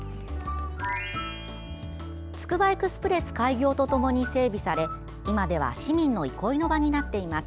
つくばエクスプレス開業とともに整備され今では市民の憩いの場になっています。